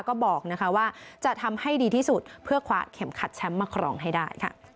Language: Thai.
ก็บอกว่าจะทำให้ดีที่สุดเพื่อคว้าเข็มขัดแชมป์มาครองให้ได้